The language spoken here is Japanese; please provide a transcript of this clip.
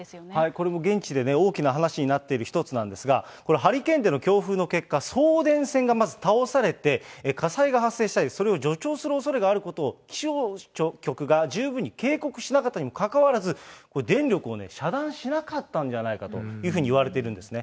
これも現地で大きな話になっている１つなんですが、これ、ハリケーンでの強風の結果、送電線がまず倒されて、火災が発生したり、それを助長するおそれがあることを気象局が十分に警告していたにもかかわらず、電力を遮断しなかったんじゃないかといわれているんですね。